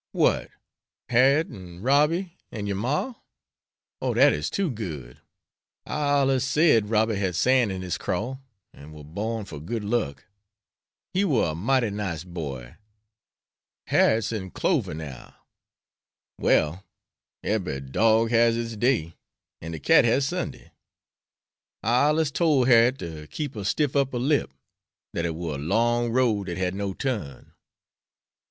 "What, Har'yet, and Robby, an' yer ma? Oh, dat is too good. I allers said Robby had san' in his craw, and war born for good luck. He war a mighty nice boy. Har'yet's in clover now. Well, ebery dorg has its day, and de cat has Sunday. I allers tole Har'yet ter keep a stiff upper lip; dat it war a long road dat had no turn."